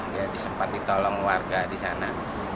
dia sempat ditolong warga di sana